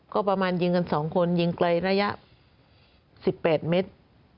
ก็ประมาณยิงกัน๒คนยิงไกลระยะ๑๘เมตร